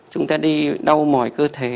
chúng ta đi đâu mỏi cơ thể